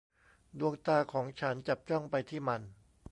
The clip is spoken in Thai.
ดวงตาของฉันจับจ้องไปที่มัน